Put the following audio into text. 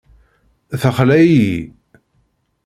Texla-iyi.